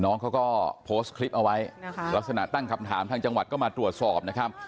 น้องเขาก็โพสต์คลิปเอาไว้นะคะลักษณะตั้งคำถามทางจังหวัดก็มาตรวจสอบนะครับ